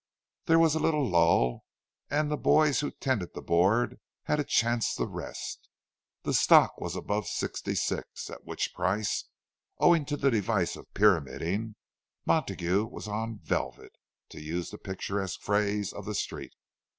There was little lull, and the boys who tended the board had a chance to rest. The stock was above 66; at which price, owing to the device of "pyramiding." Montague was on "velvet," to use the picturesque phrase of the Street.